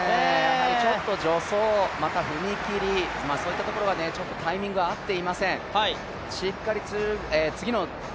ちょっと助走、また踏み切り、そういったところがタイミングが合っていません。